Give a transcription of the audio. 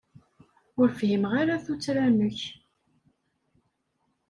Ur fhimeɣ ara tuttra-nnek.